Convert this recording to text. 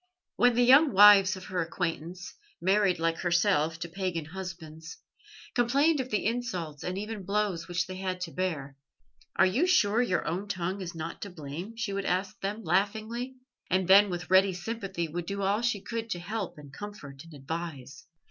When the young wives of her acquaintance, married like herself to pagan husbands, complained of the insults and even blows which they had to bear, "Are you sure your own tongue is not to blame?" she would ask them laughingly; and then with ready sympathy would do all she could to help and comfort and advise.